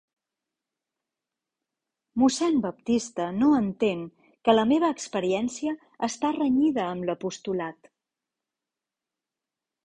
Mossèn Baptista no entén que la meva experiència està renyida amb l'apostolat.